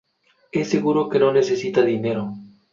Es seguro que no necesita dinero.